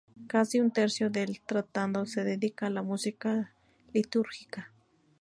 Casi un tercio del tratado se dedica a la música litúrgica.